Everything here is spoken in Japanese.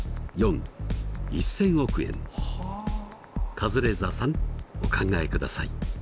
カズレーザーさんお考えください。